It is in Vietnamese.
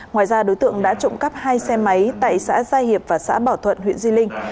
ngoài ra đối tượng đã trộm cắp hai xe máy tại xã gia hiệp và xã bảo thuận huyện di linh